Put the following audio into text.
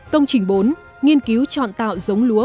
công trình bốn nghiên cứu chọn tạo giống lúa